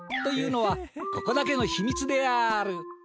というのはここだけのひみつである」。